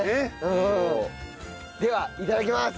ではいただきます。